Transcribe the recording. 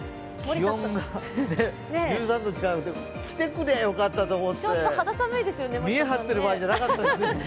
気温が、着てくりゃよかったと思って、見栄張ってる場合じゃなかったですよね。